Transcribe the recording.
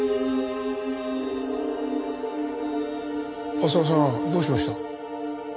浅輪さんどうしました？